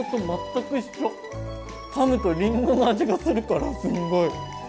かむとりんごの味がするからすんごい。